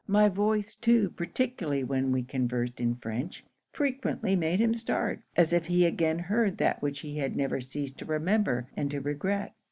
My voice too, particularly when we conversed in French, frequently made him start, as if he again heard that which he had never ceased to remember and to regret.